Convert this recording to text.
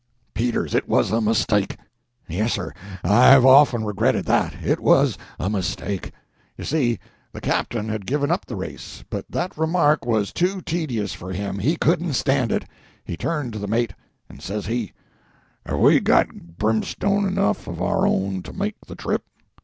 Peters, it was a mistake. Yes, sir, I've often regretted that—it was a mistake. You see, the captain had given up the race, but that remark was too tedious for him—he couldn't stand it. He turned to the mate, and says he— "Have we got brimstone enough of our own to make the trip?"